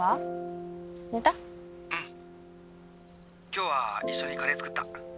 今日は一緒にカレー作った。